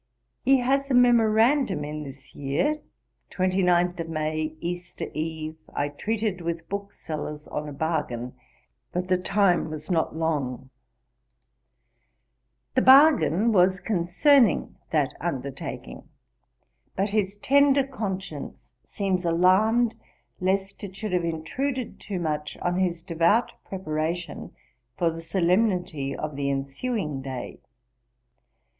He has a memorandum in this year, '29 May, Easter Eve, I treated with booksellers on a bargain, but the time was not long.' The bargain was concerning that undertaking; but his tender conscience seems alarmed lest it should have intruded too much on his devout preparation for the solemnity of the ensuing day.